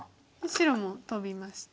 白もトビまして。